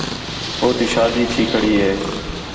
ہو تی شادی تھی کھڑ ہے